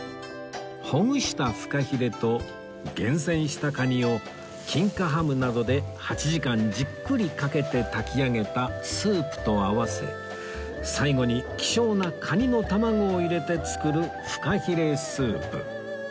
ほぐしたフカヒレと厳選した蟹を金華ハムなどで８時間じっくりかけて炊き上げたスープと合わせ最後に希少な蟹の卵を入れて作るフカヒレスープ